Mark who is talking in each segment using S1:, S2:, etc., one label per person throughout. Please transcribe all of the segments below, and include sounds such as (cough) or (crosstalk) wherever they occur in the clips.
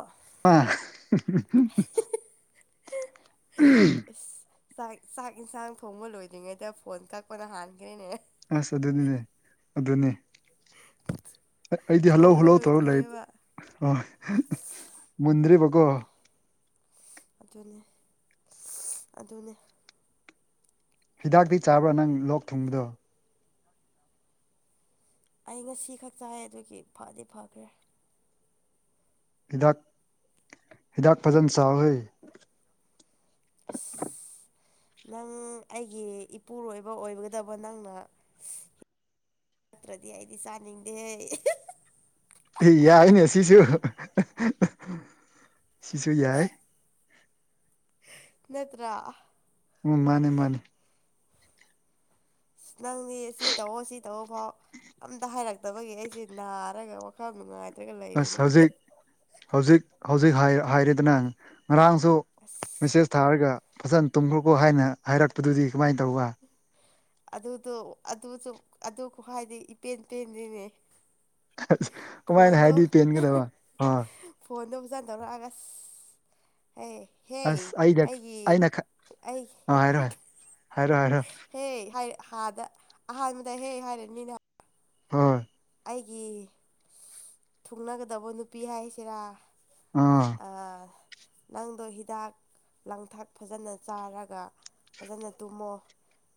S1: ꯑꯥ
S2: (unintelligible)
S1: ꯑꯁ ꯆꯥꯛ ꯆꯥꯛ ꯌꯦꯟꯁꯥꯡ ꯊꯣꯡꯕ ꯂꯣꯏꯗ꯭ꯔꯤꯉꯩꯗ ꯐꯣꯟ ꯀꯛꯄꯅ ꯍꯥꯟꯈ꯭ꯔꯦꯅꯦ
S2: ꯑꯁ ꯑꯗꯨꯅꯤꯅꯦ ꯑꯗꯨꯅꯦ ꯑꯩꯗꯤ ꯍꯜꯂ‌ꯣ
S1: ꯊꯣꯡꯕ
S2: ꯍꯜꯂ‌ꯣ ꯇꯧꯔ ꯂꯩ
S1: ꯂꯣꯏꯗ꯭ꯔꯤꯑꯕ
S2: ꯑꯣ ꯑꯝ ꯃꯨꯟꯗꯔꯤꯕꯀꯣ
S1: ꯑꯗꯨꯅꯦ ꯑꯗꯨꯅꯦ
S2: ꯍꯤꯗꯥꯛꯇꯤ ꯆꯥꯕ꯭ꯔꯥ ꯅꯪ ꯂꯣꯛ ꯊꯨꯡꯕꯗꯣ
S1: ꯑꯩ ꯉꯁꯤ ꯈꯛ ꯆꯥꯏꯌꯦ ꯑꯗꯨꯒꯤ ꯐꯗꯤ ꯐꯈ꯭ꯔꯦ
S2: ꯍꯤꯗꯥꯛ ꯍꯤꯗꯥꯛ ꯐꯖꯅ ꯆꯥꯎꯋꯤ
S1: ꯑꯁ ꯅꯪ ꯑꯩꯒꯤ ꯏꯄꯨꯔꯣꯏꯕ ꯑꯣꯏꯒꯗꯕ ꯅꯪꯅ ꯅꯠꯇ꯭ꯔꯗꯤ ꯑꯩꯗꯤ ꯆꯥꯅꯤꯡꯗꯦ
S2: ꯑꯦ ꯌꯥꯏꯅꯦ ꯁꯤꯁꯨ ꯁꯤꯁꯨ ꯌꯥꯏ
S1: ꯅꯠꯇ꯭ꯔꯥ
S2: ꯎꯝ ꯃꯥꯅꯦ ꯃꯥꯅꯦ
S1: ꯑꯁ ꯅꯪꯗꯤ ꯁꯤ ꯇꯧꯑꯣ ꯁꯤ ꯇꯧꯑꯣ ꯐꯥꯎ ꯑꯝꯇ ꯍꯥꯏꯔꯛꯇꯕꯒꯤ ꯑꯩꯁꯦ ꯅꯥꯔꯒ ꯈꯔ ꯅꯨꯡꯉꯥꯏꯇ꯭ꯔꯒ
S2: ꯑꯁ
S1: ꯂꯩꯔꯤꯅꯦ
S2: ꯍꯧꯖꯤꯛ ꯍꯧꯖꯤꯛ ꯍꯧꯖꯤꯛ ꯍꯥꯏꯔ‌‌ ꯍꯥꯏꯔ‌ꯦꯗꯅ ꯉꯔꯥꯡꯁꯨ
S1: ꯑꯁ
S2: ꯃꯦꯁꯦꯖ ꯊꯥꯔꯒ ꯐꯖꯅ ꯇꯨꯝꯈ꯭ꯔꯣꯀꯣ ꯍꯥꯏꯅ ꯍꯥꯏꯔꯛꯄꯗꯨꯗꯤ ꯀꯃꯥꯏꯅ ꯇꯧꯕ
S1: ꯑꯗꯨꯗꯣ ꯑꯗꯨꯁꯨ ꯑꯗꯨ ꯈꯨꯍꯥꯏꯗꯤ ꯏꯄꯦꯟ ꯄꯦꯟꯗ‌ꯦꯅꯦ
S2: ꯑꯁ ꯀꯃꯥꯏꯅ ꯍꯥꯏꯗꯤ ꯄꯦꯟꯒꯗꯕ ꯑ
S1: ꯐꯣꯟꯗ‌ꯣ ꯐꯖꯟ ꯇꯧꯔꯛꯑꯒ ꯑꯁ ꯍ‌ꯦ ꯍꯦ
S2: ꯑꯁ ꯑꯩꯅ
S1: ꯑꯩꯒꯤ
S2: ꯑꯩꯅ ꯈ
S1: ꯑꯩ
S2: ꯑ ꯍꯥꯏꯔꯣ ꯍꯥꯏꯔꯣ ꯍꯥꯏꯔꯣ
S1: (unintelligible) ꯍꯦ ꯍꯥꯏ ꯑꯗ ꯑꯍꯥꯟꯕꯗ ꯍꯦ ꯍꯥꯏꯔꯅꯤꯅ
S2: ‌ꯍ‌ꯣꯏ
S1: ꯑꯩꯒꯤ ꯊꯨꯡꯅꯒꯗꯕ ꯅꯨꯄꯤ ꯍꯥꯏꯁꯤꯔꯥ
S2: ꯑꯥ
S1: ꯑꯥ ꯅꯪꯗꯣ ꯍꯤꯗꯥꯛ ꯂꯥꯡꯊꯛ ꯐꯖꯅ ꯆꯥꯔꯒ ꯐꯖꯅ ꯇꯨꯝꯃꯣ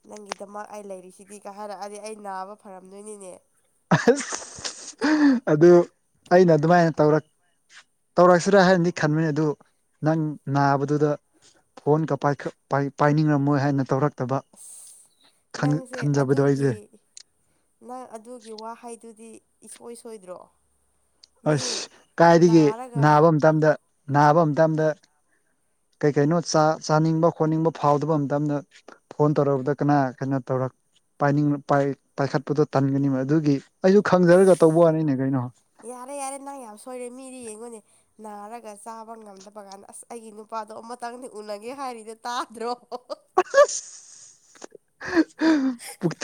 S1: ꯅꯪꯒꯤꯗꯃꯛ ꯑꯩ ꯂꯩꯔꯤꯁꯤꯗꯤ ꯀꯥ ꯍꯥꯏꯔꯛꯑꯗꯤ ꯑꯩ ꯅꯥꯕ ꯐꯔꯝꯗꯣꯏꯅꯤꯅꯦ
S2: ꯑꯁ ꯑꯗꯨ ꯑꯩꯅ ꯑꯗꯨꯃꯥꯏꯅ ꯇꯧꯔꯛ ꯇꯧꯔꯛꯁꯤꯔ ꯍꯥꯏꯔꯗꯤ ꯈꯟꯕꯅꯤ ꯑꯗꯨ ꯅꯪ ꯅꯥꯕꯗꯨꯗ ꯐꯣꯟꯒ ꯄꯥꯏꯅꯤꯡꯉꯝꯃꯣꯏ ꯍꯥꯏꯅ ꯇꯧꯔꯛ
S1: ꯑꯁ ꯅꯪꯁꯦ
S2: ꯈꯟꯖꯕꯗꯣ ꯑꯩꯁꯦ
S1: ꯑꯗꯨꯒꯤ ꯅꯪ ꯑꯗꯨꯒꯤ ꯋꯥꯍꯩꯗꯨꯗꯤ ꯏꯁꯣꯏ ꯁꯣꯏꯗ꯭ꯔꯣ ꯃꯤ
S2: ꯑꯁ ꯀꯥꯏꯗꯒꯤ
S1: ꯅꯥꯔꯒ
S2: ꯅꯥꯕ ꯃꯇꯝꯗ ꯅꯥꯕ ꯃꯇꯝꯗ ꯀꯩ ꯀꯩꯅꯣꯥ ꯆꯥꯅꯤꯡꯕ ꯈꯣꯠꯅꯤꯡꯕ ꯐꯥꯎꯗꯕ ꯃꯇꯝꯗ ꯐꯣꯟ ꯇꯧꯔꯛꯔꯕꯗ ꯀꯅꯥ ꯀꯩꯅꯣ ꯇꯧꯔꯛ ꯄꯥꯏꯅꯤꯡꯕ ꯄꯥꯏ ꯄꯥꯏꯈꯠꯄꯗꯣ ꯇꯟꯒꯅꯤꯕ ꯑꯗꯨꯒꯤ ꯑꯩꯁꯨ ꯈꯪꯖꯔꯒ
S1: ꯑꯁ
S2: ꯇꯧꯕ ꯋꯥꯅꯤꯅꯦ ꯀꯩꯅꯣ
S1: ꯌꯥꯔꯦ ꯌꯥꯔꯦ ꯅꯪ ꯌꯥꯝ ꯁꯣꯏꯔꯦ ꯃꯤꯗꯤ ꯌꯦꯡꯉꯨꯅꯦ ꯅꯥꯔꯒ ꯆꯥꯕ ꯉꯝꯗꯕ ꯀꯥꯟꯗ ꯑꯁ ꯑꯩꯒꯤ ꯅꯨꯄꯥꯗꯣ ꯑꯃꯨꯇꯪꯗꯤ ꯎꯅꯒꯦ ꯍꯥꯏꯔꯤꯗꯣ ꯇꯥꯗ꯭ꯔꯣ
S2: (unintelligible) ꯄꯨꯛ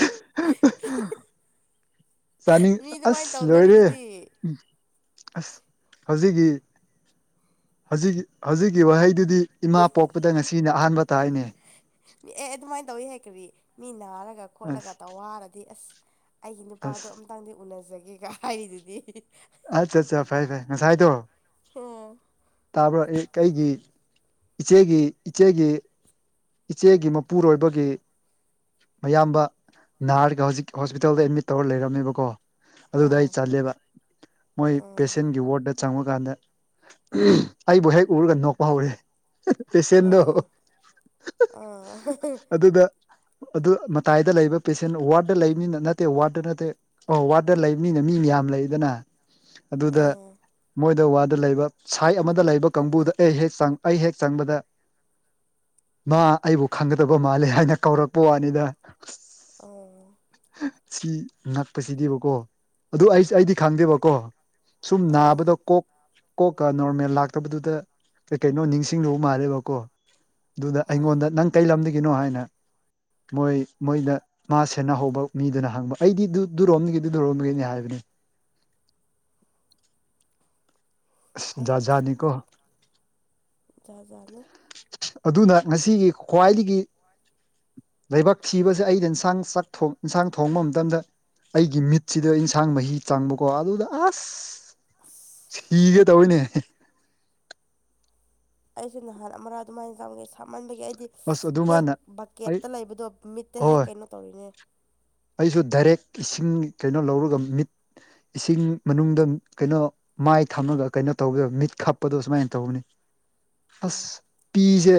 S2: ꯆꯥꯅꯤꯡ
S1: ꯃꯤ ꯑꯗꯨꯃꯥꯏꯅ
S2: ꯑꯁ ꯂꯣꯏꯔꯦ
S1: ꯇꯧꯅꯔꯤꯗꯨꯗꯤ
S2: ꯎꯝ ꯑꯁ ꯍꯧꯖꯤꯛꯒꯤ ꯍꯧꯖꯤꯛꯒꯤ ꯍꯧꯖꯤꯛꯒꯤ ꯋꯥꯍꯩꯗꯨꯗꯤ ꯏꯃꯥ ꯄꯣꯛꯄꯗꯩ ꯉꯁꯤꯅ ꯑꯍꯥꯟꯕ ꯇꯥꯏ‌ꯌ‌ꯦꯅꯦ
S1: ꯃꯤ ꯑꯦ ꯑꯦ ꯑꯗꯨꯃꯥꯏꯅ ꯇꯧꯋꯤ ꯍꯥꯏ ꯀꯔꯤ ꯃꯤ ꯅꯥꯔꯒ
S2: ꯑꯁ
S1: ꯈꯣꯠꯂꯒ ꯇꯧ ꯍꯥꯏꯔꯗꯤ ꯑꯁ ꯑꯩꯒꯤ ꯅꯨꯄꯥꯗꯣ
S2: ꯑꯁ
S1: ꯑꯝꯇꯪꯗꯤ ꯎꯅꯖꯒꯦꯒ ꯍꯥꯏꯔꯤꯗꯨꯗꯤ
S2: ꯑꯠꯆꯥ ꯆꯥ ꯐꯥꯏ ꯐꯥꯏ ꯉꯁꯥꯏꯗꯣ
S1: ꯍꯝ
S2: ꯇꯥꯕ꯭ꯔ ꯑꯩꯩꯒꯤ ꯏꯆꯦꯒꯤ ꯏꯆꯦꯒꯤ ꯏꯆꯦꯒꯤ ꯃꯄꯨꯔꯣꯏꯕꯒꯤ ꯃꯌꯥꯝꯕ ꯅꯥꯔꯒ ꯍꯧꯖꯤꯛ ꯍꯣꯁꯄꯤꯇꯥꯜꯗ ꯑꯦꯗꯃꯤꯠ ꯇꯧꯔ ꯂꯩꯔꯝꯃꯦꯕꯀꯣ ꯑꯗꯨꯗ
S1: ꯍꯣꯏ
S2: ꯑꯩ ꯆꯜꯂꯦꯕ ꯃꯣꯏ
S1: ꯎꯝ
S2: ꯄꯦꯁꯦꯟꯒꯤ ꯋꯥꯔꯗ ꯆꯪꯕꯀꯥꯟꯗ ꯑꯩꯕꯨ ꯍꯦꯛ ꯎꯔꯒ ꯅꯣꯛꯄ ꯍꯧꯔꯦ ꯄꯦꯁꯦꯟꯗꯣ
S1: ꯎꯝ ꯎꯝ
S2: ꯑꯗꯨꯗ ꯑꯗꯨ ꯃꯇꯥꯏꯗ ꯂꯩꯕ ꯄꯦꯁꯦꯟ ꯋꯥꯔꯗ ꯂꯩꯕꯅꯤꯅ ꯅꯠꯇꯦ ꯋꯥꯔꯗ ꯅꯠꯇꯦ ꯑꯣ ꯋꯥꯗ ꯂꯩꯕ ꯃꯤꯅ ꯃꯤ ꯃꯌꯥꯝ ꯂꯩꯗꯅ ꯑꯗꯨꯗ
S1: ꯎꯝ
S2: ꯃꯣꯏꯗ ꯋꯥꯗ ꯂꯩꯕ ꯁꯥꯏ ꯑꯃꯗ ꯂꯩꯕ ꯀꯥꯡꯕꯨꯗ ꯑꯩ ꯍꯦꯛ ꯑꯩ ꯍꯦꯛ ꯆꯪꯕꯗ ꯃꯥ ꯑꯩꯕꯨ ꯈꯪꯒꯗꯕ ꯃꯥꯜꯂꯦ ꯍꯥꯏꯅ ꯀꯧꯔꯛꯄ ꯋꯥꯅꯤꯗ
S1: ꯑ‌ꯣ
S2: ꯁꯤ ꯅꯛꯄꯁꯤꯗꯦꯕꯀꯣ ꯑꯗꯨ ꯑꯩ ꯑꯩꯗꯤ ꯈꯪꯗꯦꯕꯀꯣ ꯁꯨꯝ
S1: ꯎꯝ
S2: ꯅꯥꯕꯗ ꯀ ꯀꯣꯛꯀ ꯅꯣꯔꯃꯦꯜ ꯂꯥꯛꯇꯕꯗꯨꯗ ꯀꯩ ꯀꯩꯅꯣ ꯅꯤꯡꯁꯤꯡꯂꯧ ꯃꯥꯜꯂꯦꯕ ꯀꯣ ꯑꯗꯨꯗ
S1: ꯍꯣꯏ
S2: ꯑꯩꯉꯣꯟꯗ ꯅꯪ ꯀꯩ ꯂꯝꯗꯥꯒꯤꯅꯣ ꯍꯥꯏꯅ ꯃꯣꯏ ꯃꯣꯏꯗ ꯃꯥ ꯁꯦꯟꯅꯍꯧꯕ ꯃꯤꯗꯨꯅ ꯍꯪꯕ ꯑꯩꯗꯤ ꯑꯗꯨꯗꯨꯔꯣꯝꯒꯤꯗꯨꯔꯣꯝꯒꯦꯅꯤ ꯍꯥꯏꯕꯅꯤ ꯑꯁ
S1: ꯐꯩ
S2: ꯖꯥꯠ
S1: ꯐꯥꯏ
S2: ꯖꯥꯠꯅꯤꯀꯣ
S1: ꯆꯖꯥꯅꯦ
S2: ꯑꯗꯨꯅ ꯉꯁꯤꯒꯤ ꯈ꯭ꯋꯥꯏꯗꯒꯤ ꯂꯩꯥꯏꯕꯛ ꯊꯤꯕꯁꯦ ꯑꯩꯅ ꯏꯟꯁꯥꯡ ꯆꯥꯛ ꯏꯟꯁꯥꯡ ꯊꯣꯡꯕ ꯃꯇꯝꯗ ꯑꯩꯒꯤ ꯃꯤꯠꯁꯤꯗ ꯏꯟꯁꯥꯡ ꯃꯍꯤ ꯆꯪꯕꯀꯣ ꯑꯗꯨꯗ ꯑꯁ
S1: ꯑꯁ
S2: ꯁꯤꯒꯦ ꯇꯧꯏꯅꯦ
S1: ꯑꯩꯁꯦ ꯅꯍꯥꯟ ꯑꯃꯥ ꯑꯗꯨꯃꯥꯏꯅ ꯆꯝꯒꯦ ꯁꯥꯃꯟꯕꯒꯤ ꯑꯩꯗꯤ
S2: ꯑꯁ
S1: ꯍꯦꯛ
S2: ꯑꯗꯨꯃꯥꯏꯅ ꯑꯩ
S1: ꯕꯛꯀꯦꯠꯇ ꯂꯩꯕꯗꯣ ꯃꯤꯠꯇ ꯍꯦꯛ
S2: ꯍꯣꯏ
S1: ꯀꯩꯅꯣ ꯇꯧꯔꯤꯅꯦ
S2: ꯑꯩꯁꯨ ꯗꯥꯏꯔꯦꯛ ꯏꯁꯤꯡ ꯀꯩꯅꯣ ꯂꯧꯔꯒ ꯃꯤꯠ ꯏꯁꯤꯡ ꯃꯅꯨꯡꯗ ꯀꯩꯅꯣ ꯃꯥꯏ ꯊꯝꯃꯒ ꯀꯩꯅꯣ ꯇꯧꯕꯗ ꯃꯤꯠ ꯈꯞꯄꯗꯣ ꯁꯨꯃꯥꯏꯅ ꯇꯧꯕꯅꯤ
S1: ꯍꯣꯏ
S2: ꯑꯁ ꯄꯤꯁꯦ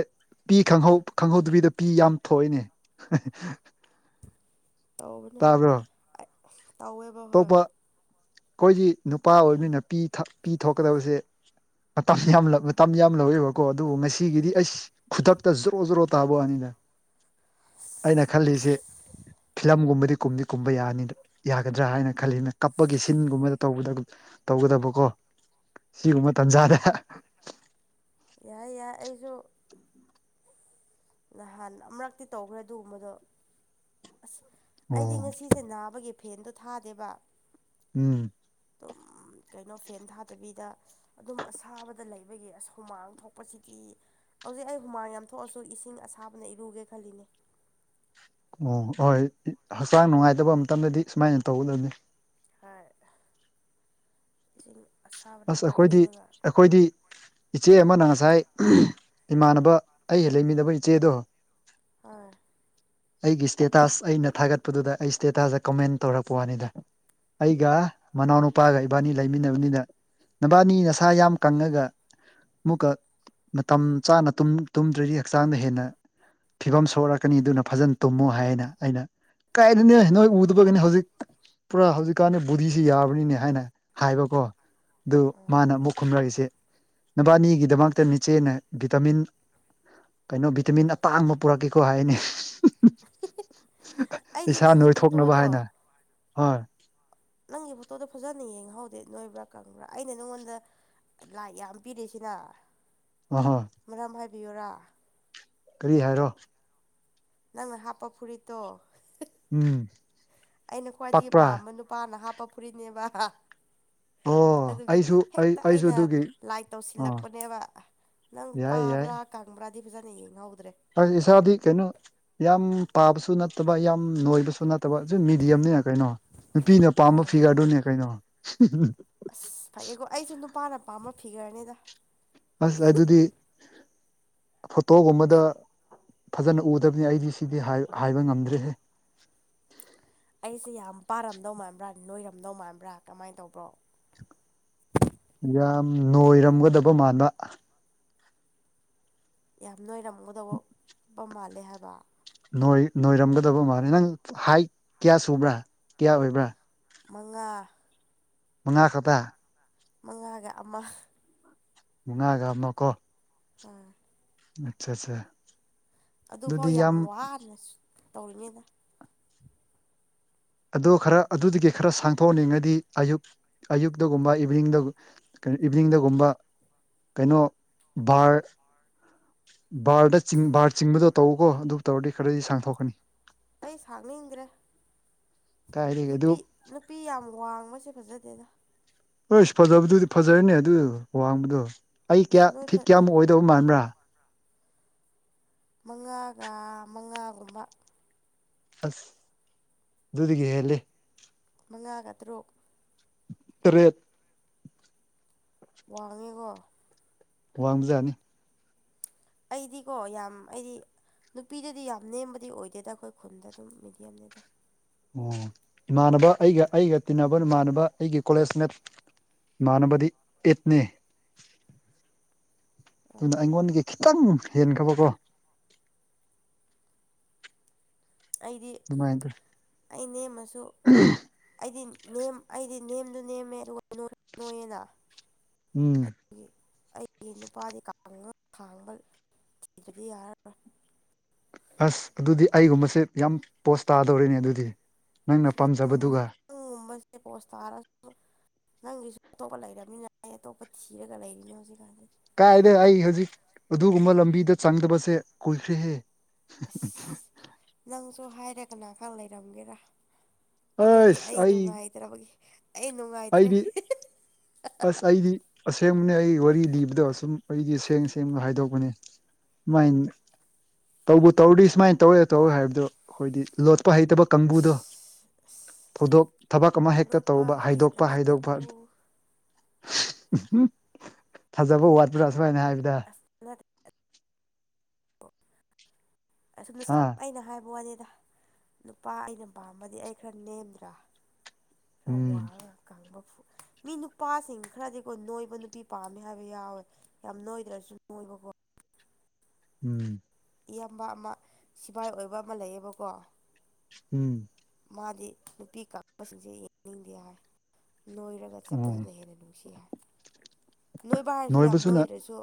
S2: ꯄꯤ ꯈꯪꯍꯧ ꯈꯪꯍꯧꯗꯕꯤꯗ ꯄꯤ ꯌꯥꯝ ꯊꯣꯛꯏꯅꯦ
S1: ꯇꯧꯕꯅ
S2: ꯇꯥꯕ꯭ꯔꯣ
S1: (unintelligible) ꯇꯧꯋꯦ
S2: ꯑꯇꯣꯞꯄ ꯑꯩꯈꯣꯏꯒꯤ ꯅꯨꯄꯥ ꯑꯣꯏꯕꯅꯤꯅ ꯄꯤ ꯊꯥꯛ ꯊꯣꯛꯀꯗꯕꯁꯦ ꯃꯇꯝ ꯌꯥꯝ ꯃꯇꯝ ꯌꯥꯝ ꯂꯧꯋꯦꯕꯀꯣ ꯑꯗꯨꯕꯨ ꯉ ꯁꯤꯒꯤꯗꯤ
S1: ꯎꯝ
S2: ꯑꯩꯁ ꯈꯨꯗꯛꯇ ꯖꯣꯔꯣ ꯖꯣꯔꯣ ꯇꯥꯕ ꯋꯥꯅꯤꯗ ꯑꯩꯅ ꯈꯜꯂꯤꯁꯦ
S1: ꯑꯁ
S2: ꯐꯤꯂꯝꯒꯨꯝꯕꯗꯤ ꯀꯨꯝꯗꯤ ꯀꯨꯝꯕ ꯌꯥꯅꯤꯗ ꯒꯗ꯭ꯔꯥ ꯍꯥꯏꯅ ꯈꯜꯂꯤꯅ ꯀꯞꯄꯒꯤ ꯁꯤꯟꯒꯨꯝꯕꯗ ꯇꯧꯕꯗ ꯇꯧꯒꯗꯕꯀꯣ ꯁꯤꯒꯨꯝꯕ ꯇꯟꯖꯥꯗꯦ
S1: ꯌꯥꯏ ꯌꯥꯏ ꯑꯩꯁꯨ ꯅꯍꯥꯟ ꯑꯃꯨꯔꯛꯇꯤ ꯇꯧꯈ꯭ꯔꯦ ꯑꯗꯨꯒꯨꯝꯕꯗꯣ ꯑꯁ ꯑꯩꯗꯤ
S2: ꯑꯣ
S1: ꯉꯁꯤꯁꯦ ꯅꯥꯕꯒꯤ ꯐꯦꯟꯗꯣ ꯊꯥꯗꯦꯕ
S2: ꯎꯝ
S1: ꯑꯗꯨꯝ ꯀꯩꯅꯣ ꯐꯦꯟ ꯊꯥꯗꯕꯤꯗ ꯑꯗꯨꯝ ꯑꯁꯥꯕꯗ ꯂꯩꯕꯒꯤ ꯑꯍꯨꯃꯥꯡ ꯊꯣꯛꯄꯁꯤꯗꯤ ꯍꯧꯖꯤꯛ ꯑꯩ ꯍꯨꯃꯥꯡ ꯌꯥꯝ ꯊꯣꯛꯑꯁꯨ ꯏꯁꯤꯡ ꯑꯁꯥꯕꯅ ꯏꯔꯨꯒꯦ ꯈꯜꯂꯤꯅꯦ
S2: ꯑꯣ ꯍꯣꯏ ꯍꯛꯆꯥꯡ ꯅꯨꯡꯉꯥꯏꯇꯕ ꯃꯇꯝꯗꯗꯤ ꯁꯨꯃꯥꯏꯅ ꯇꯧꯒꯗꯕꯅꯤ
S1: ꯍꯥꯏ ꯏꯁꯤꯡ ꯑꯁꯥꯕꯅ
S2: ꯑꯁ
S1: ꯑꯃ
S2: ꯑꯩꯈꯣꯏꯗꯤ
S1: ꯏꯔꯨꯔꯒ
S2: ꯑꯩꯈꯣꯏꯗꯤ ꯏꯆꯦ ꯑꯃꯅ ꯉꯁꯥꯏ ꯏꯃꯥꯟꯅꯕ ꯑꯩꯒ ꯂꯩꯃꯤꯟꯅꯕ ꯏꯆꯦꯗꯣ
S1: (unintelligible)
S2: ꯑꯩꯒꯤ ꯏꯁꯇꯦꯇꯥꯁ ꯑꯩꯅ ꯊꯥꯒꯠꯄꯗꯨꯗ ꯑꯩ ꯏꯁꯇꯦꯇꯥꯁꯇ ꯀꯃꯦꯟ ꯇꯧꯔꯛꯄ ꯋꯥꯅꯤꯗ ꯑꯩꯒ ꯃꯅꯥꯎꯅꯨꯄꯥꯒ ꯏꯕꯥꯅꯤ ꯂꯩꯃꯤꯟꯅꯕꯅꯤꯅ ꯅꯕꯥꯅꯤ ꯅꯁꯥ ꯌꯥꯝ ꯀꯪꯉꯒ ꯑꯃꯨꯛꯀ ꯃꯇꯝ ꯆꯥꯅ ꯇꯨꯝꯗ꯭ꯔꯗꯤ ꯍꯛꯆꯥꯡꯗ ꯍꯦꯟꯅ ꯐꯤꯚꯝ ꯁꯣꯛꯂꯛꯀꯅꯤ ꯑꯗꯨꯅ ꯐꯖꯅ ꯇꯨꯝꯃꯨ ꯍꯥꯏꯌꯦꯅ ꯑꯩꯅ ꯀꯥꯏꯗꯅꯦ ꯅꯣꯏ ꯎꯗꯕꯒꯤꯅꯦ ꯍꯧꯖꯤꯛ ꯄꯨꯔꯥ ꯍꯧꯖꯤꯛꯀꯥꯟꯗ ꯕꯨꯙꯤꯁꯤ ꯌꯥꯕꯅꯤꯅꯦ ꯍꯥꯏꯅ ꯍꯥꯏꯕꯀꯣ ꯑꯗꯨ ꯃꯥꯅ ꯑꯃꯨꯛ ꯈꯨꯝꯂꯛꯏꯁꯦ ꯅꯕꯥꯅꯤꯒꯤꯗꯃꯛꯇꯅꯦ ꯏꯆꯦꯅ ꯚꯤꯇꯥꯃꯤꯟ ꯀꯩꯅꯣ ꯚꯤꯇꯥꯃꯤꯟ ꯑꯇꯥꯡꯕ ꯄꯨꯔꯛꯀꯦꯀꯣ ꯍꯥꯏꯅꯦ
S1: ꯑꯩꯗꯤ
S2: ꯏꯁꯥ
S1: ꯅꯪꯒꯤ
S2: ꯅꯣꯏ ꯊꯣꯛꯅꯕ
S1: ꯐꯣꯇꯣꯗꯣ
S2: ꯍꯥꯏꯅ ꯍꯣꯏ
S1: ꯅꯪꯒꯤ ꯐꯣꯇꯣꯗꯣ ꯐꯖꯅ ꯌꯦꯡꯍꯧꯗꯦ ꯅꯣꯏꯕ꯭ꯔꯥ ꯀꯪꯕ꯭ꯔꯥ ꯑꯩꯅ ꯅꯪꯉꯣꯟꯗ ꯂꯥꯏ ꯌꯥꯝ ꯄꯤꯔꯤꯁꯤꯅ
S2: ꯑꯍꯣ
S1: ꯃꯔꯝ ꯍꯥꯏꯕꯤꯌꯨꯔꯥ
S2: ꯀꯔꯤ ꯍꯥꯏꯔꯣ
S1: ꯅꯪꯅ ꯍꯥꯞꯄ ꯐꯨꯔꯤꯠꯇꯣ
S2: ꯎꯝ
S1: ꯑꯩꯅ ꯈ꯭ꯋꯥꯏꯗꯒꯤ
S2: ꯄꯥꯛꯄ꯭ꯔꯥ
S1: ꯄꯥꯝꯕ ꯅꯨꯄꯥꯅ ꯍꯥꯞꯄ ꯐꯨꯔꯤꯅꯦꯕ
S2: ꯑꯣ
S1: ꯑꯗꯨꯒꯤ
S2: ꯑꯩꯁꯨ ꯑꯩ
S1: ꯍꯦꯛꯇ
S2: ꯑꯩꯁꯨ
S1: ꯑꯩꯅ
S2: ꯑꯗꯨꯒꯤ
S1: ꯂꯥꯏ
S2: ꯑꯣ
S1: ꯇꯧꯁꯤꯜꯂꯛꯄꯅꯦꯕ ꯅꯪ
S2: ꯌꯥꯏ ꯌꯥꯏ
S1: ꯄꯥꯕ꯭ꯔꯥ ꯀꯪꯕ꯭ꯔꯥꯗꯤ ꯐꯖꯅ ꯌꯦꯡꯍꯧꯗ꯭ꯔꯦ
S2: ꯏꯁꯥꯗꯤ ꯀꯩꯅꯣ ꯌꯥꯝ ꯄꯥꯕꯁꯨ ꯅꯠꯇꯕ ꯌꯥꯝ ꯅꯣꯏꯕꯁꯨ ꯅ ꯐꯠꯇꯕ ꯑꯗꯨ ꯃꯦꯗꯤꯌꯝꯅꯦ ꯀꯩꯅꯣ ꯅꯨꯄꯤꯅ ꯄꯥꯝꯕ
S1: ꯑꯣ
S2: ꯐꯤꯒꯔꯗꯨꯅꯦ ꯀꯩꯅꯣ
S1: ꯑꯁ ꯐꯩꯌꯦꯀꯣ ꯑꯩꯁꯨ ꯅꯨꯄꯥꯅ ꯄꯥꯝꯕ ꯐꯤꯒꯔꯅꯦꯗ
S2: ꯑꯁ ꯑꯗꯨꯗꯤ ꯐꯣꯇꯣꯒꯨꯝꯕꯗ ꯐꯖꯅ ꯎꯗꯕꯅꯤꯅ ꯑꯩꯗꯤ ꯁꯤꯗꯤ ꯍꯥꯏꯕ ꯉꯝꯗ꯭ꯔꯦꯍꯦ
S1: ꯑꯩꯁꯦ ꯌꯥꯝ ꯄꯥꯔꯝꯗꯧ ꯃꯥꯟꯕ꯭ꯔꯥ ꯅꯣꯏꯔꯝꯗꯧ ꯃꯥꯟꯕ꯭ꯔꯥ ꯀꯃꯥꯏ ꯇꯧꯕ꯭ꯔꯣ
S2: ꯌꯥꯝ ꯅꯣꯏꯔꯝꯒꯗꯕ ꯃꯥꯟꯕ
S1: ꯌꯥꯝ ꯅꯣꯏꯔꯝꯒꯗꯧꯕ ꯄ ꯃꯥꯜꯂꯦ ꯍꯥꯏꯕ
S2: ꯅꯣꯏꯔꯝꯒꯗꯕ ꯃꯥꯜꯂꯦ ꯅꯪ ꯍꯥꯏꯠ ꯀꯌꯥ ꯁꯨꯕ꯭ꯔꯥ ꯀꯌꯥ ꯑꯣꯏꯕ꯭ꯔꯥ
S1: ꯃꯉꯥ
S2: ꯃꯉꯥ ꯈꯛꯇ
S1: ꯃꯉꯥꯒ ꯑꯃ
S2: ꯃꯉꯥꯒ ꯑꯃꯀꯣ
S1: ꯎꯝ
S2: ꯑꯆꯥꯆꯥ
S1: ꯑꯗꯨꯐꯥꯎ ꯌꯥꯝ ꯋꯥꯅ ꯇꯧꯔꯤꯉꯤꯗ
S2: ꯑꯗꯨ ꯈꯔ ꯑꯗꯨꯗꯒꯤ ꯈꯔ ꯁꯥꯡꯊꯣꯛꯍꯟꯅꯤꯡꯉꯗꯤ ꯑꯌꯨꯛ ꯑꯌꯨꯛꯇꯒꯨꯝꯕ ꯏꯚꯤꯅꯤꯡꯗ ꯀꯩꯅꯣ ꯏꯚꯤꯅꯤꯡꯗꯒꯨꯝꯕ ꯀꯩꯅꯣ ꯕꯥꯔ ꯕꯥꯔꯗꯆꯤꯡ ꯕꯥꯔ ꯆꯤꯡꯕꯗꯣ ꯇꯧꯀꯣ ꯑꯗꯨꯕꯢ ꯇꯧꯔꯗꯤ ꯈꯔꯗꯤ ꯁꯥꯡꯊꯣꯛꯀꯅꯤ
S1: ꯑꯩ ꯁꯥꯡꯅꯤꯡꯗ꯭ꯔꯦ
S2: ꯀꯥꯏꯗꯒꯤ ꯑꯗꯨ
S1: ꯅꯨꯄꯤ ꯅꯨꯄꯤ ꯌꯥꯝ ꯋꯥꯡꯕꯁꯦ ꯐꯖꯗꯦꯗ
S2: ꯍꯩꯁ ꯐꯖꯕꯗꯨꯗꯤ ꯐꯖꯔꯅꯤ ꯑꯗꯨ ꯋꯥꯡꯕꯗꯣ ꯑꯩ
S1: ꯑꯁ
S2: ꯀꯌꯥ
S1: ꯅꯣꯏ
S2: ꯐꯤꯠ ꯀꯌꯥꯃꯨꯛ ꯑꯣꯏꯗꯧꯕ ꯃꯥꯟꯕ꯭ꯔꯥ
S1: ꯃꯉꯥꯒ ꯃꯉꯥꯒꯨꯝꯕ
S2: ꯑꯁ ꯑꯗꯨꯗꯒꯤ ꯍꯦꯜꯂꯦ
S1: ꯃꯉꯥꯒ ꯇꯔꯨꯛ
S2: ꯇꯔꯦꯠ
S1: ꯋꯥꯡꯉꯦꯀꯣ
S2: ꯋꯥꯥꯡ ꯕꯖꯥꯅꯤ
S1: ꯑꯩꯗꯤꯀꯣ ꯌꯥꯝ ꯑꯩꯗꯤ ꯅꯨꯄꯤꯗꯗꯤ ꯌꯥꯝ ꯅꯦꯝꯕꯗꯤ ꯑꯣꯏꯗꯦꯗ ꯑꯩꯈꯣꯏ ꯈꯨꯟꯗ ꯑꯗꯨꯝ ꯃꯦꯗꯤꯌꯝꯅꯤꯗ
S2: ꯑꯣ ꯏꯃꯥꯟꯅꯕ ꯑꯩꯒ ꯑꯩꯒ ꯇꯤꯟꯅꯕ ꯏꯃꯥꯟꯅꯕ ꯑꯩꯒꯤ ꯀꯣꯂꯦꯖꯃꯦꯠ ꯏꯃꯥꯟꯅꯕꯗꯤ ꯑꯦꯠꯅꯦ
S1: (unintelligible)
S2: ꯑꯗꯨꯅ ꯑꯩꯉꯣꯟꯗꯒꯤ ꯈꯤꯇꯪ ꯍꯦꯟꯈꯕꯀꯣ
S1: ꯑꯩꯗꯤ
S2: ꯅꯨꯡꯉꯥꯏꯇ꯭ꯔ
S1: ꯑꯩ ꯅꯦꯝꯃꯁꯨ ꯑꯩꯗꯤ ꯅꯦꯝ ꯑꯩꯗꯤ ꯅꯦꯝꯗꯨ ꯅꯦꯝꯃꯦ ꯑꯗꯨꯒ ꯅꯣꯏꯌꯦꯅ
S2: ꯎꯝ
S1: ꯒꯤ ꯑꯩꯒꯤ ꯅꯨꯄꯥꯗꯤ ꯀꯥꯡ ꯈꯥꯡꯕ ꯊꯤꯕꯗꯤ ꯌꯥꯔꯔꯣꯏ
S2: ꯑꯁ ꯑꯗꯨꯗꯤ ꯑꯩꯒꯨꯝꯕꯁꯦ ꯌꯥꯝ ꯄꯣꯁ ꯇꯥꯗꯧꯔꯤꯅꯦ ꯑꯗꯨꯗꯤ ꯅꯪꯅ ꯄꯥꯝꯖꯕꯗꯨꯒ
S1: ꯅꯪꯒꯨꯝꯕꯁꯦ ꯄꯣꯁ ꯇꯥꯔꯁꯨ ꯅꯪꯒꯤꯁꯨ ꯑꯇꯣꯞꯄ ꯂꯩꯔꯕꯅꯤꯅ ꯑꯩ ꯑꯇꯣꯞꯄ ꯊꯤꯔꯒ ꯂꯩꯔꯤꯅꯤ ꯍꯧꯖꯤꯛꯀꯥꯟꯁꯤꯗꯤ
S2: ꯀꯥꯏꯗꯨ ꯑꯩ ꯍꯧꯖꯤꯛ ꯑꯗꯨꯒꯨꯝꯕ ꯂꯝꯕꯤꯗ ꯆꯪꯗꯕꯁꯦ ꯀꯨꯏꯈ꯭ꯔꯦꯍꯦ
S1: ꯏꯁ ꯅꯪꯁꯨ ꯍꯥꯏꯔ ꯀꯅꯥ ꯈꯪ ꯂꯩꯔꯝꯒꯦꯔꯥ ꯑꯗꯨꯒꯤ ꯑꯩ ꯅꯨꯡꯉꯥꯏꯇ꯭ꯔꯕꯒꯤ ꯑꯩ ꯅꯨꯡꯉꯥꯏꯇ꯭ꯔꯦ
S2: ꯑꯩꯗꯤ ꯑꯁ ꯑꯩꯗꯤ ꯑꯁꯦꯡꯕꯅꯦ ꯑꯩ ꯋꯥꯔꯤ ꯂꯤꯕꯗꯣ ꯑꯁꯨꯝ ꯑꯩꯗꯤ ꯁꯦꯡ ꯁꯦꯡꯅ ꯍꯥꯏꯗꯣꯛꯄꯅꯦ ꯃꯣꯏꯟ (inaudible) ꯇꯧꯕ ꯇꯧꯔꯗꯤ ꯁꯨꯃꯥꯏꯅ ꯇꯧꯔꯦ ꯇꯧꯋꯦ ꯍꯥꯏꯕꯗꯣ ꯑꯩꯈꯣꯏꯗꯤ ꯂꯣꯠꯄ ꯍꯩꯇꯕ ꯀꯥꯡꯕꯨꯗꯣ ꯊꯧꯗꯣꯛ ꯊꯕꯛ ꯑꯃ ꯍꯦꯛꯇ
S1: ꯂꯣꯠꯄ
S2: ꯇꯧꯕ ꯍꯥꯏꯗꯣꯛꯄ
S1: ꯍꯩꯇꯕ
S2: ꯍꯥꯏꯗꯣꯛꯄ
S1: ꯀꯥꯡꯕꯨ
S2: ꯊꯥꯖꯕ ꯋꯥꯠꯄ꯭ꯔꯥ ꯁꯨꯃꯥꯏꯅ ꯍꯥꯏꯕꯗ
S1: (unintelligible) ꯑꯁꯨꯝꯅ ꯁꯨꯝ
S2: ꯑꯥ
S1: ꯑꯩꯅ ꯍꯥꯏꯕ ꯋꯥꯅꯤꯗ ꯅꯨꯄꯥ ꯑꯩꯅ ꯄꯥꯝꯕꯗꯤ ꯑꯩ ꯈꯔ ꯅꯦꯝꯗ꯭ꯔꯥ ꯈꯔ
S2: ꯎꯝ
S1: ꯋꯥꯔꯒ ꯀꯪꯕ ꯐꯣꯛꯏ ꯃꯤ ꯅꯨꯄꯥꯁꯤꯡ ꯈꯔꯗꯤꯀꯣ ꯅꯣꯏꯕ ꯅꯨꯄꯤ ꯄꯥꯝꯃꯤ ꯍꯥꯏꯕ ꯌꯥꯎꯋꯦ ꯌꯥꯝ ꯅꯣꯏꯗ꯭ꯔꯁꯨ ꯅꯣꯏꯕꯀꯣ
S2: ꯎꯝ
S1: ꯏꯌꯥꯝꯕ ꯑꯃ ꯁꯤꯐꯥꯏ ꯑꯣꯏꯕ ꯑꯃ ꯂꯩꯌꯦꯕꯀꯣ
S2: ꯎꯝ
S1: ꯃꯥꯗꯤ ꯅꯨꯄꯤ ꯀꯥꯡꯂꯨꯞꯁꯤꯡꯁꯦ ꯌꯦꯡꯅꯤꯡꯗꯦ ꯍꯥꯏ ꯅꯣꯏꯔꯒ ꯑꯗꯨꯒ
S2: ꯑꯣ
S1: ꯆꯠꯄꯗꯨꯅ ꯍꯦꯟꯅ ꯅꯨꯡꯁꯤ ꯍꯥꯏ ꯅꯣꯏꯕ ꯍꯥꯏꯔꯁꯨ ꯌꯥꯝ
S2: ꯅꯣꯏꯕꯁꯨꯅ
S1: ꯅꯣꯏꯗ꯭ꯔꯁꯨ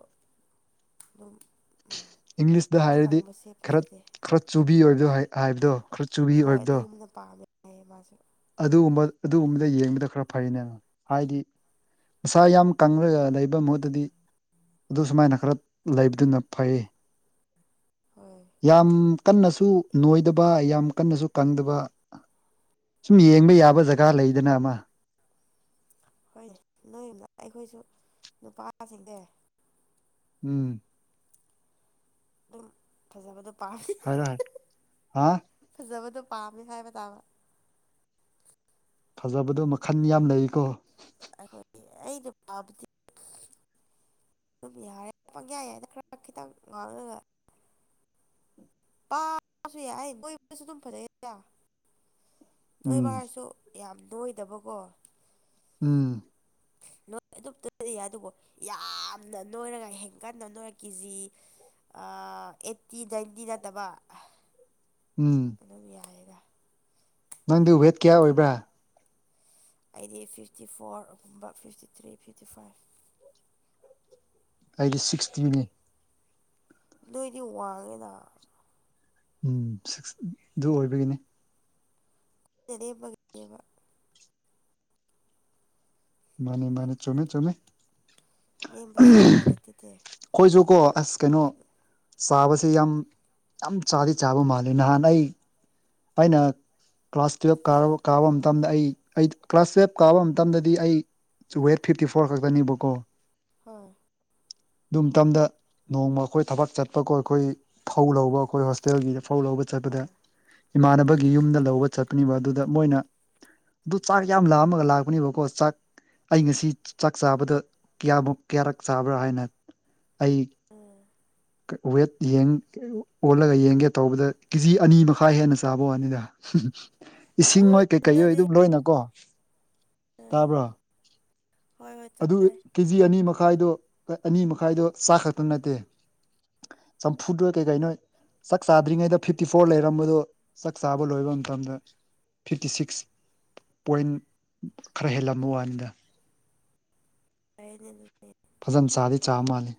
S1: ꯑꯗꯨꯝ ꯎꯝ
S2: ꯏꯪꯂꯤꯁꯇ
S1: ꯏꯀꯪ
S2: ꯍꯥꯏꯔꯗꯤ
S1: ꯀꯪꯕꯁꯦ
S2: ꯈꯔ
S1: ꯐꯖꯗꯦ
S2: ꯈꯔ ꯆꯨꯕꯤ ꯑꯣꯏꯕꯗꯣ ꯍꯥꯏꯕꯗꯣ ꯈꯔ ꯆꯨꯕꯤ
S1: ꯍꯣꯏ
S2: ꯑꯣꯏꯕꯗꯣ
S1: ꯑꯗꯨꯒꯨꯝꯅ ꯄꯥꯝꯃꯦ ꯍꯥꯏꯌꯦ ꯃꯥꯁꯨꯦ
S2: ꯑꯗꯨꯒꯨꯝꯕ ꯑꯗꯨꯒꯨꯝꯕꯗ ꯌꯦꯡꯕꯗ ꯈꯔ ꯐꯩꯅꯦꯅ ꯍꯥꯏꯗꯤ ꯃꯁꯥ ꯌꯥꯝ ꯀꯒ ꯂꯩꯕ ꯃꯍꯨꯠꯇꯗꯤ ꯑꯗꯨ ꯁꯨꯃꯥꯏꯅ ꯈꯔ ꯂꯩꯕꯗꯨꯅ ꯐꯩ
S1: ꯍꯣꯏ
S2: ꯌꯥꯝ ꯀꯟꯅꯁꯨ ꯅꯣꯏꯗꯕ ꯌꯥꯝ ꯀꯟꯅꯁꯨ ꯀꯪꯗꯕ ꯁꯨꯝ ꯌꯦꯡꯕ ꯌꯥꯕ ꯖꯒꯥ ꯂꯩꯗꯅ ꯑꯃ
S1: ꯍꯣꯏꯅꯦ ꯅꯣꯏ ꯑꯩꯈꯣꯏꯁꯨ ꯅꯨꯄꯥꯁꯤꯡꯗ
S2: ꯎꯝ
S1: ꯑꯗꯨꯝ ꯐꯖꯕꯗꯣ ꯄꯥꯝꯃꯤ
S2: ꯍꯥꯏꯔ ꯍꯥꯏ ꯍꯥ
S1: ꯐꯖꯕꯗꯣ ꯄꯥꯝꯃꯦ ꯍꯥꯏꯕ ꯇꯥꯕ
S2: ꯐꯖꯕꯗꯣ ꯃꯈꯟ ꯌꯥꯝ ꯂꯩꯔꯤꯀꯣ
S1: ꯑꯩꯈꯣꯏꯒꯤ ꯑꯩꯅ ꯄꯥꯕꯗꯤ ꯑꯗꯨꯝ ꯌꯥꯔꯦ ꯄꯪꯌꯥ ꯌꯥꯏꯗ ꯈꯔ ꯈꯤꯇꯪ ꯉꯥꯡꯉꯒ ꯄꯥꯔꯁꯨ ꯌꯥꯏ ꯑꯩ ꯅꯣꯏꯁꯨ ꯑꯗꯨꯝ ꯐꯖꯩꯌꯦ
S2: ꯎꯝ
S1: ꯅꯣꯏꯕꯔꯁꯨ ꯌꯥꯝ ꯅꯣꯏꯗꯕꯀꯣ
S2: ꯎꯝ
S1: ꯅꯣꯏ ꯑꯗꯨ ꯑꯗꯨꯣ ꯌꯥꯝꯅ ꯅꯣꯏꯔꯒ ꯍꯦꯟꯀꯟꯅ ꯅꯣꯏꯔꯒ ꯀꯦꯖꯤ ꯑꯩꯠꯇꯤ ꯅꯥꯏꯟꯇꯤ ꯅꯠꯇꯕ
S2: ꯎꯝ
S1: ꯑꯗꯨ ꯌꯥꯏꯔꯦꯒ
S2: ꯅꯪꯗꯤ ꯋꯦꯠ ꯀꯌꯥ ꯑꯣꯏꯕ꯭ꯔꯥ
S1: ꯑꯩꯗꯤ ꯐꯤꯐꯇꯤ ꯐꯣꯔ ꯑꯗꯨꯒꯨꯝꯕ ꯐꯤꯐꯇꯤ ꯊ꯭ꯔꯤ ꯐꯤꯐꯇꯤ ꯐꯥꯏꯚ
S2: ꯑꯩꯗꯤ ꯁꯤꯛꯁꯇꯤꯅꯦ
S1: ꯅꯣꯏꯗꯤ ꯋꯥꯡꯉꯦꯗ
S2: ꯎꯝ ꯁꯤꯛꯁ ꯑꯗꯨ ꯑꯣꯏꯕꯒꯤꯅꯤ
S1: (unintelligible)
S2: ꯃꯥꯅꯦ ꯃꯥꯅꯦ ꯆꯃꯦ ꯆꯃꯦ
S1: ꯅꯦꯝꯕꯁꯦ ꯎꯄꯥꯏ ꯂꯩꯇꯗꯦ
S2: ꯀꯣꯏꯁꯨ ꯀꯣ ꯑꯁ ꯀꯩꯅꯣ ꯆꯥꯕꯁꯦ ꯌꯥꯝ ꯌꯥꯝ ꯆꯥꯗꯤ ꯆꯥꯕ ꯃꯥꯜꯂꯦ ꯅꯍꯥꯟ ꯑꯩ ꯑꯩꯅ ꯀ꯭ꯂꯥꯁ ꯇꯨꯌꯦꯜꯞ ꯀꯥ ꯀꯥꯕ ꯃꯇꯝꯗ ꯑꯩ ꯀ꯭ꯂꯥꯁ ꯇꯨꯌꯦꯜꯞ ꯀꯥꯕ ꯃꯇꯝꯗꯗꯤ ꯑꯩ ꯆꯋꯦ ꯐꯤꯐꯤ ꯐꯣꯔꯔꯥꯛꯇꯥꯅꯤ ꯕ ꯀꯣ
S1: ꯍꯣꯏ
S2: ꯑꯗꯨꯝ ꯇꯝꯗ ꯅꯣꯡꯃ ꯑꯩꯈꯣꯏ ꯊꯕꯛ ꯆꯠꯄꯀꯣ ꯑꯩꯈꯣꯏ ꯐꯧ ꯂꯧꯕ ꯑꯩꯈꯣꯏ ꯍꯣꯁꯇꯦꯜꯒꯤꯗ ꯐꯧ ꯂꯧꯕ ꯆꯠꯄꯗ
S1: ꯍꯣꯏ
S2: ꯏꯃꯥꯟꯅꯕꯒꯤ ꯌꯨꯝꯗ ꯂꯧꯕ ꯆꯠꯄꯅꯤꯕ ꯑꯗꯨꯗ ꯃꯣꯏꯅ ꯑꯗꯨ ꯆꯥꯛ ꯌꯥꯝ ꯂꯥꯑꯝꯃꯒ ꯂꯥꯛꯄꯅꯦꯕꯀꯣ ꯆꯥꯛ ꯑꯩ ꯉꯁꯤ ꯆꯥꯛ ꯆꯥꯕꯗ ꯀꯌꯥꯃꯛ ꯀꯌꯥꯔꯛ ꯆꯥꯕ꯭ꯔꯥ ꯍꯥꯏꯅ ꯑꯩ
S1: ꯎꯝ
S2: ꯋꯦꯠ ꯌꯦꯡ ꯑꯣꯜꯂꯒ ꯌꯦꯡꯒꯦ ꯇꯧꯕꯗ ꯀꯦꯖꯤ ꯑꯅꯤ ꯃꯈꯥꯏ ꯍꯦꯟꯅ ꯆꯥꯕ ꯋꯥꯅꯤꯗ ꯏꯁꯤꯡ ꯃꯣꯏ
S1: ꯑ
S2: ꯀꯩꯀꯩ ꯑꯣꯏ
S1: ꯅꯗꯦ
S2: ꯑꯗꯨꯝ ꯂꯣꯏꯅꯀꯣ
S1: ꯎꯝ
S2: ꯇꯥꯕ꯭ꯔꯣ
S1: ꯍꯣꯏ ꯍꯣꯏ
S2: ꯑꯗꯨ
S1: ꯇꯥꯏ
S2: ꯀꯦꯖꯤ ꯑꯅꯤ ꯃꯈꯥꯏꯗꯣ ꯑꯅꯤ ꯃꯈꯥꯏꯗꯣ ꯆꯥ ꯈꯛꯇ ꯅꯠꯇꯦ ꯆꯝꯐꯨꯗ ꯀꯩꯀꯥꯏ ꯅꯣꯏ ꯆꯥꯛ ꯆꯥꯗ꯭ꯔꯤꯉꯩꯗ ꯐꯤꯐꯇꯤ ꯐꯣꯔ ꯂꯩꯔꯝꯕꯗꯣ ꯆꯥꯛ ꯆꯥꯕ ꯂꯣꯏꯕ ꯃꯇꯝꯗ ꯐꯤꯐꯇꯤ ꯁꯤꯛꯁ ꯄꯣꯏꯟ ꯈꯔ ꯍꯦꯜꯂꯝꯕ ꯋꯥꯅꯤꯗ
S1: ꯀꯅꯤ
S2: ꯐꯖꯅ ꯆꯥꯗꯗꯤ ꯆꯥ ꯃꯥꯜꯂꯤ